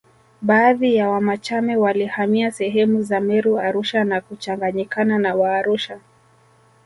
Baadhi ya Wamachame walihamia sehemu za Meru Arusha na kuchanganyikana na Waarusha